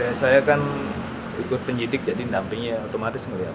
ya saya kan ikut penyidik jadi nampingnya otomatis melihat